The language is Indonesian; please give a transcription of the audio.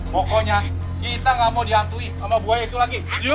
pokoknya kita gak mau diantui sama bu aya itu lagi